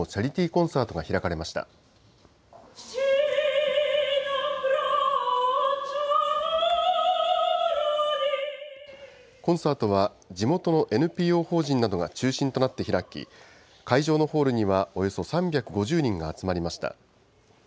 コンサートは、地元のＮＰＯ法人などが中心となって開き、会場のホールにはおよそ３５０人が集まりました。